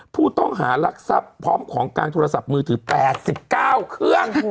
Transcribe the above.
ผู้ต้องหารักทรัพย์พร้อมของกลางโทรศัพท์มือถือ๘๙เครื่อง